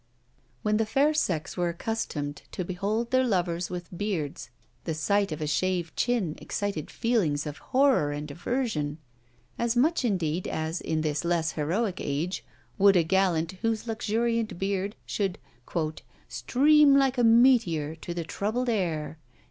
When the fair sex were accustomed to behold their lovers with beards, the sight of a shaved chin excited feelings of horror and aversion; as much indeed as, in this less heroic age, would a gallant whose luxuriant beard should "Stream like a meteor to the troubled air."